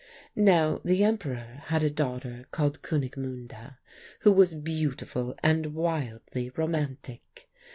"Now the Emperor had a daughter called Kunigmunde, who was beautiful and wildly romantic.